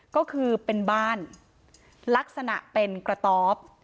ก็คือเป็นบ้านลักษณะเป็นกระต๊อบ